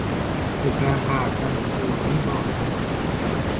Depäň gardan, buzdan dolýar.